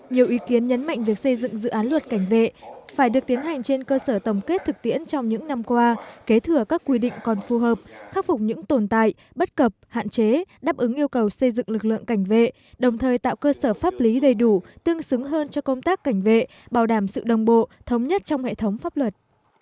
nhiều ý kiến nhấn mạnh việc xây dựng dự án luật cảnh vệ phải được tiến hành trên cơ sở tổng kết thực tiễn trong những năm qua kế thừa các quy định còn phù hợp khắc phục những tồn tại bất cập hạn chế đáp ứng yêu cầu xây dựng lực lượng cảnh vệ đồng thời tạo cơ sở pháp lý đầy đủ tương xứng hơn cho công tác cảnh vệ bảo đảm sự đồng bộ thống nhất trong hệ thống pháp luật